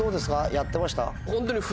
やってました？